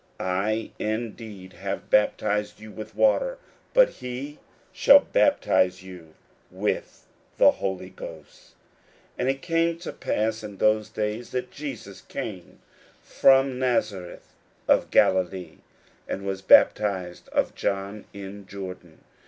41:001:008 I indeed have baptized you with water: but he shall baptize you with the Holy Ghost. 41:001:009 And it came to pass in those days, that Jesus came from Nazareth of Galilee, and was baptized of John in Jordan.